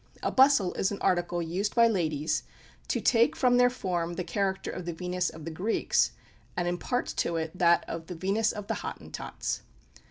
A bustle is an article used by ladies to take from their form the character of the Venus of the Greeks, and impart to it that of the Venus of the Hottentots!